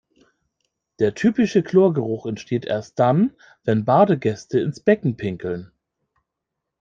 Der typische Chlorgeruch entsteht erst dann, wenn Badegäste ins Becken pinkeln.